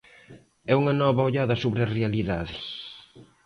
É unha nova ollada sobre a realidade.